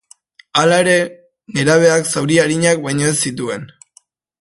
Halere, nerabeak zauri arinak baino ez zituen.